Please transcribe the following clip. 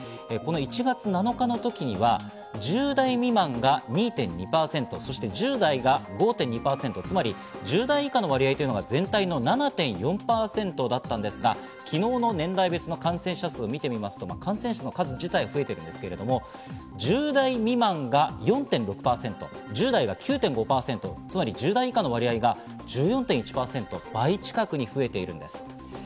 この時には１０代未満が２．２％、そして１０代が５．２％つまり１０代以下の割合が全体の７．４％だったんですが昨日の年代別の感染者数を見ると、感染者数自体増えるんですけれども１０代未満が４．６％、１０代が９．５％、１０代以下の割合が１４．１％と、倍近くに増えているんです。